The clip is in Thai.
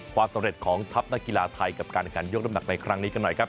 ความสำเร็จของทัพนักกีฬาไทยกับการในการยกน้ำหนักในครั้งนี้กันหน่อยครับ